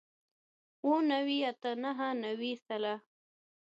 اووه نوي اتۀ نوي نهه نوي سل